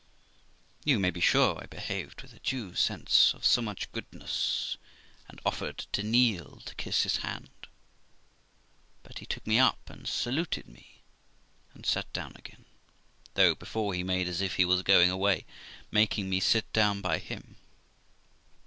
You may be sure I behaved with a due sense of so much goodness, and offered to kneel to kiss his hand ; but he took me up and saluted me, and sat down again (though before he made as if he was going away), making me sit down by him.